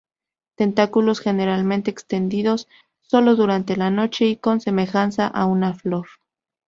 Tentáculos generalmente extendidos solo durante la noche, y con semejanza a una flor.